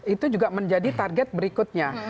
itu juga menjadi target berikutnya